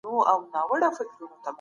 دغه کار د دولت د زوال سبب کیږي.